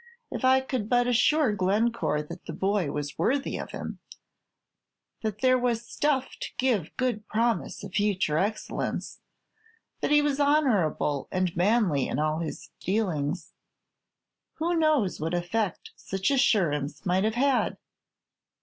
If I could but assure Glencore that the boy was worthy of him, that there was stuff to give good promise of future excellence, that he was honorable and manly in all his dealings, who knows what effect such assurance might have had?